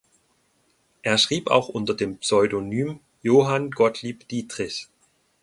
Er schrieb auch unter dem Pseudonym Johann Gottlieb Dietrich.